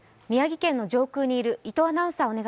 宮城県の上空にいる伊藤アナウンサー